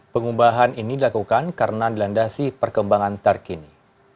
pengubahan ini dilakukan karena dilandasi perkembangan terkini